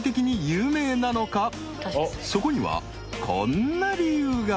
［そこにはこんな理由が］